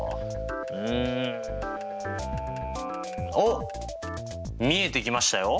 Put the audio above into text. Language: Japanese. うんおっ見えてきましたよ！